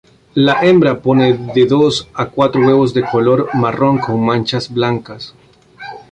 La hembra pone de dos a cuatro huevos de color marrón con manchas blancas.